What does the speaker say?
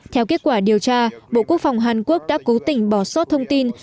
theo kết quả điều tra bộ quốc phòng hàn quốc đã cố tình bỏ sót thông tin